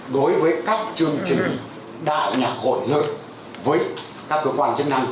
đối với các chương trình đại nhạc hội hợp với các cơ quan chức năng